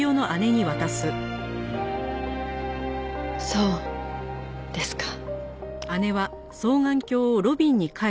そうですか。